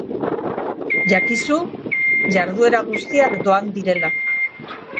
Jakizu jarduera guztiak doan direla.